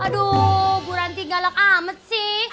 aduh bu ranti gak lelak amet sih